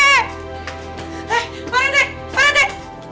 eh pak rete pak rete